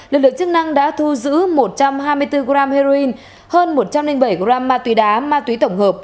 lực lượng chức năng đã thu giữ một trăm hai mươi bốn g heroin hơn một trăm linh bảy gram ma túy đá ma túy tổng hợp